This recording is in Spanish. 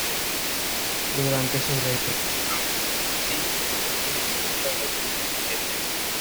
Durante su reinado amplió el castillo a partir de la estructura gótica subyacente.